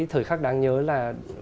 thời khắc đáng nhớ là